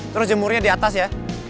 terus jemurnya di atas ya